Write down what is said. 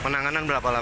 penanganan berapa lama